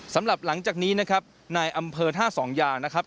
สำหรับหลังจากนี้นะครับนายอำเภอท่าสองยานะครับ